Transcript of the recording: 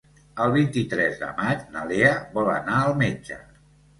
El vint-i-tres de maig na Lea vol anar al metge.